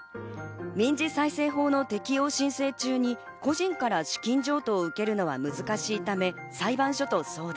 民事再生法の適用申請中に個人から資金譲渡を受けるのは難しいため、裁判所と相談。